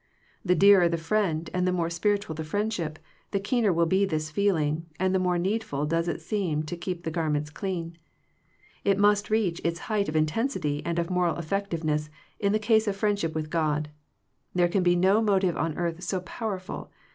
The dearer the friend and the more spiritual the friend ship, the keener will be this feeling, and the more needful does it seem to keep the garments clean. It must reach its height of intensity and of moral effec tiveness in the case of friendship with God. There can be no motive on earth so powerful.